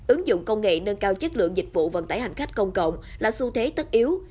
ứng dụng công nghệ nâng cao chất lượng dịch vụ vận tải hành khách công cộng là xu thế tất yếu